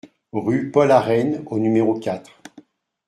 Rue Paul Aréne au numéro quatre